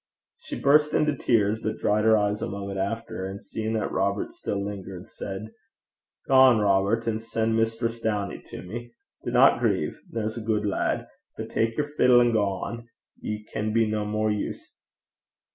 She burst into tears, but dried her eyes a moment after, and seeing that Robert still lingered, said, 'Gang, Robert, an' sen' Mistress Downie to me. Dinna greit there's a gude lad; but tak yer fiddle an' gang. Ye can be no more use.'